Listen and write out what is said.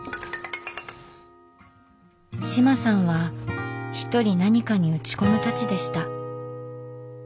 志麻さんはひとり何かに打ち込むタチでした。